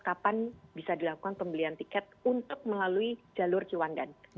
kapan bisa dilakukan pembelian tiket untuk melalui jalur ciwandan